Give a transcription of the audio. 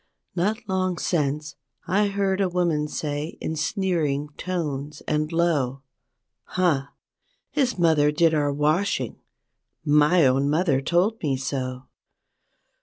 Not long since, I heard a woman say in sneering tones and low, "Huh! his mother did our washing, my own moth¬ er told me so!"